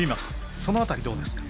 その辺りどうですか？